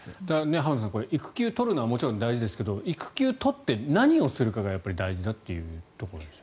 浜田さん、育休を取るのはもちろん大事ですが育休を取って何をするかが大事だということですよね。